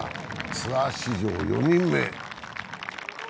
ツアー史上４人目。